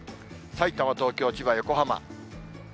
さいたま、東京、千葉、横浜。